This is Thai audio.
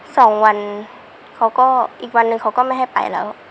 สองวันเขาก็อีกวันหนึ่งเขาก็ไม่ให้ไปแล้ว